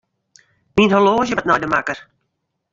Myn horloazje moat nei de makker.